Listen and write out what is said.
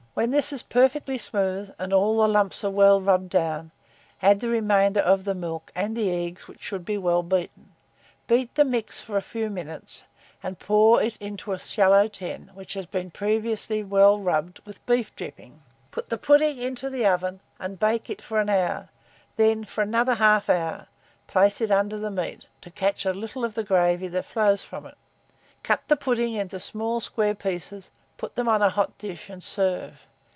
When this is perfectly smooth, and all the lumps are well rubbed down, add the remainder of the milk and the eggs, which should be well beaten. Beat the mixture for a few minutes, and pour it into a shallow tin, which has been previously well rubbed with beef dripping. Put the pudding into the oven, and bake it for an hour; then, for another 1/2 hour, place it under the meat, to catch a little of the gravy that flows from it. Cut the pudding into small square pieces, put them on a hot dish, and serve.